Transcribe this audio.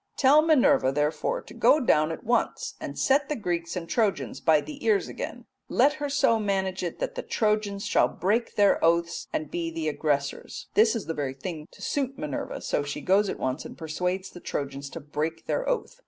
Tell Minerva, therefore, to go down at once and set the Greeks and Trojans by the ears again, and let her so manage it that the Trojans shall break their oaths and be the aggressors.'" This is the very thing to suit Minerva, so she goes at once and persuades the Trojans to break their oath.